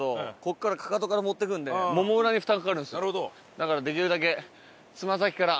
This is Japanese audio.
だからできるだけつま先から。